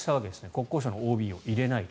国交省のＯＢを入れないと。